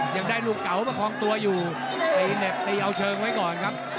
ยังได้ลูกเก๋าประคองตัวอยู่ตีเหน็บตีเอาเชิงไว้ก่อนครับ